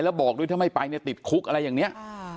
แล้วบอกด้วยถ้าไม่ไปเนี่ยติดคุกอะไรอย่างนี้